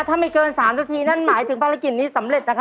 ถ้าไม่เกิน๓นาทีนั่นหมายถึงภารกิ่นนี้สำหรับเกิร์